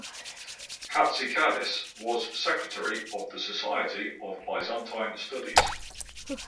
Hatzidakis was secretary of the Society of Byzantine Studies.